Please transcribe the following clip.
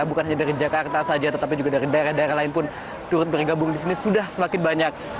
bukan hanya dari jakarta saja tetapi juga dari daerah daerah lain pun turut bergabung di sini sudah semakin banyak